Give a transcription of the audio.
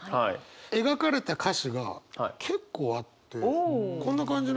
描かれた歌詞が結構あってこんな感じなんですけど。